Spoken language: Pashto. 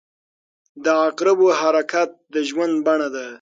• د عقربو حرکت د ژوند بڼه ده.